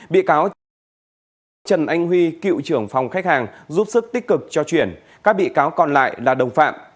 bị cáo trần anh huy cựu trưởng phòng khách hàng giúp sức tích cực cho chuyển các bị cáo còn lại là đồng phạm